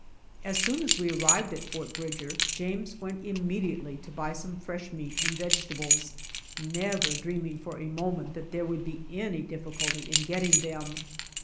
As soon as we arrived at Fort Bridger James went immediately to buy some fresh meat and vege tables, never dreaming for a mom(ent that there would be any diflSculty in getting them.